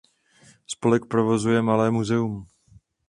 Spolek provozuje malé muzeum.